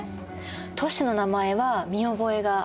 都市の名前は見覚えがあります。